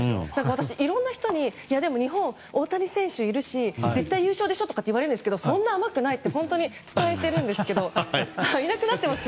いろんな人に日本は大谷選手がいるし絶対優勝でしょとか言われるんですけどそんな甘くないって本当に伝えてるんですけど。